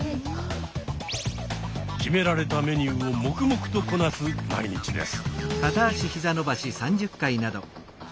決められたメニューを黙々とこなす毎日です。